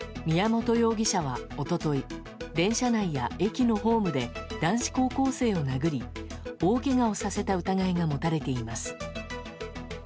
宮本容疑者は一昨日電車内や駅のホームで男子高校生を殴り大けがをさせた疑いが持たれています。